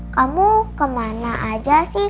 kamu kemana aja sih